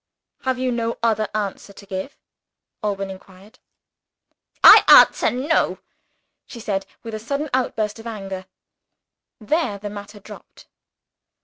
"Have you no other answer to give?" Alban inquired. "I answer No!" she said, with a sudden outburst of anger. There, the matter dropped.